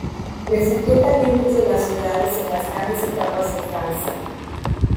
Presentó talentos de las ciudades en las grandes etapas de Francia.